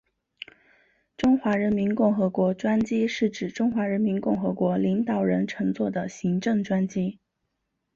中华人民共和国专机是指中华人民共和国领导人乘坐的行政专机。